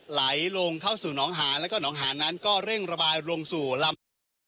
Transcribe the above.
ไหลลงเข้าสู่หนองหานแล้วก็หนองหานนั้นก็เร่งระบายลงสู่ลำน้ำ